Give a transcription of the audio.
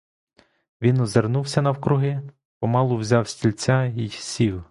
Він озирнувся навкруги, помалу взяв стільця й сів.